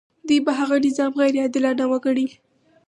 دوی به هغه نظام غیر عادلانه وګڼي.